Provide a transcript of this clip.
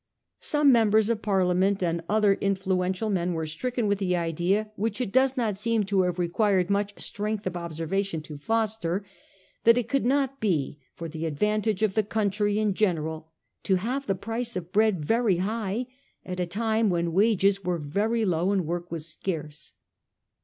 Some members of Parliament and other influen 332 A HISTORY OF OUR OWN TIMES. CH. XIV. tial men were stricken with the idea, which it does not seem to have required much strength of observa tion to foster, that it could not be for the advantage of the country in general to have the price of bread very high at a time when wages were very low and work was scarce.